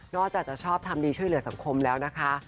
จะชอบทำดีช่วยเหลือสังคมแล้วนะคะ